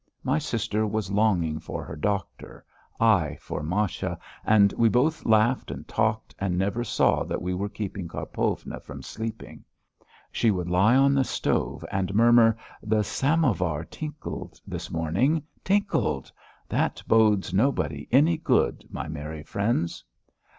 My sister was longing for her doctor, I for Masha, and we both laughed and talked and never saw that we were keeping Karpovna from sleeping. She would lie on the stove and murmur: "The samovar tinkled this morning. Tink led! That bodes nobody any good, my merry friends!"